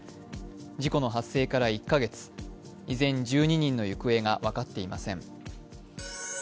事故の発生から１カ月、依然１２人の行方が分かっていません。